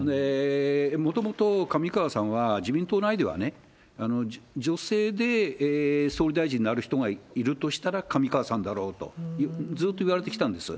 もともと上川さんは、自民党内では女性で総理大臣になる人がいるとしたら上川さんだろうと、ずーっといわれてきたんです。